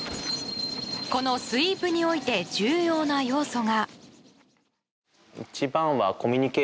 このスイープにおいて重要な要素が。